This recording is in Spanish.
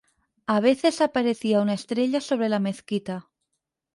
A veces aparecía una estrella sobre la mezquita.